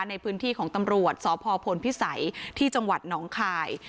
ในพื้นที่ของตำรวจสพพลพิสัยที่จังหวัดหนองคาย